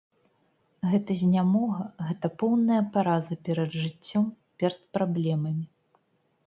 Гэта знямога, гэта поўная параза перад жыццём, перад праблемамі.